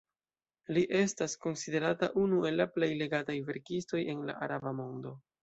Li estas konsiderata unu el la plej legataj verkistoj en la araba mondo.